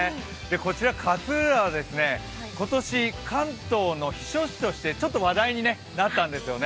こちら、勝浦は今年、関東の避暑地としてちょっと話題になったんです。